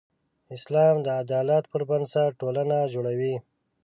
اسلام د عدالت پر بنسټ ټولنه جوړوي.